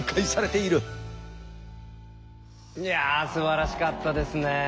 いやすばらしかったですね。